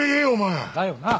だよな。